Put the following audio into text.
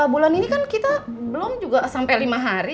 bulan ini kan kita belum juga sampai lima hari